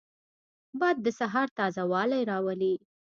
باد د سهار تازه والی راولي